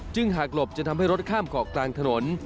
หากหลบจะทำให้รถข้ามเกาะกลางถนน